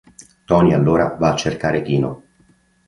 Tony, allora, va a cercare Chino.